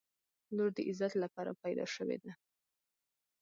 • لور د عزت لپاره پیدا شوې ده.